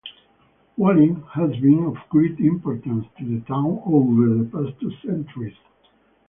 Whaling has been of great importance to the town over the past two centuries.